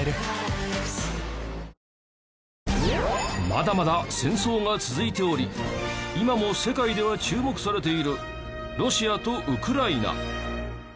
まだまだ戦争が続いており今も世界では注目されているロシアとウクライナ。